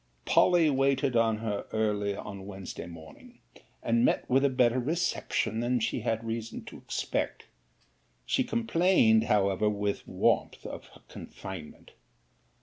'Polly waited on her early on Wednesday morning; and met with a better reception than she had reason to expect. She complained however, with warmth, of her confinement.